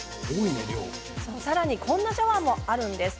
こんなシャワーもあるんです。